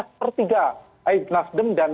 sepertiga nasdem dan